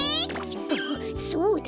あっそうだ！